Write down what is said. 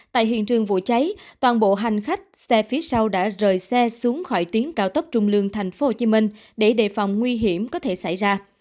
tại hiện trường vụ cháy toàn bộ hành khách xe phía sau đã rời xe xuống khỏi tuyến cao tốc trung lương thành phố hồ chí minh để đề phòng nguy hiểm có thể xảy ra